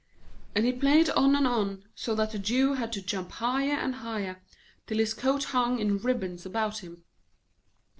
And he played on and on, so that the Jew had to jump higher and higher, till his coat hung in ribbons about him.